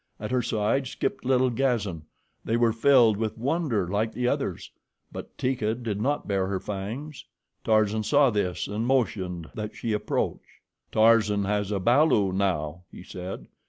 At her side skipped little Gazan. They were filled with wonder like the others; but Teeka did not bare her fangs. Tarzan saw this and motioned that she approach. "Tarzan has a balu now," he said.